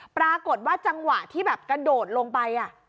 ปรากฏว่าจังหวะที่แบบกระโดดลงไป